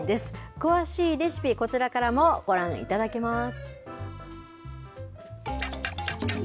詳しいレシピ、こちらからもご覧いただけます。